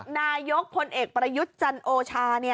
นายกคนเอกปรยุทธ์จันโอชาเนี่ย